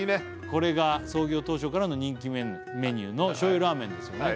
これが創業当初からの人気メニューの醤油ラーメンですよね